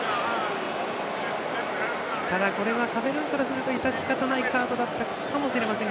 これはカメルーンからすると致し方ないカードだったかもしれません。